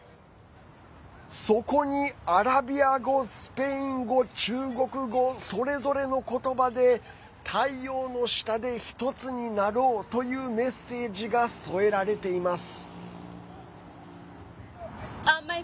そこにアラビア語、スペイン語中国語、それぞれの言葉で「太陽の下で一つになろう」というメッセージが添えられています。